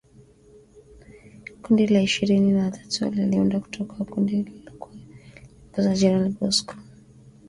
Kundi la M ishirini na tatu liliundwa kutoka kwa kundi lililokuwa likiongozwa na Jenerali Bosco Ntaganda